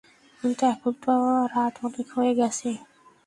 কিন্তু এখন তো রাত অনেক হয়ে গেছে।